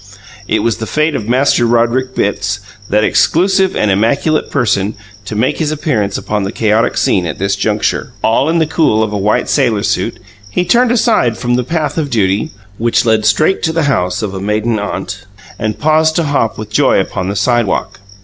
It was the fate of Master Roderick Bitts, that exclusive and immaculate person, to make his appearance upon the chaotic scene at this juncture. All in the cool of a white "sailor suit," he turned aside from the path of duty which led straight to the house of a maiden aunt and paused to hop with joy upon the sidewalk.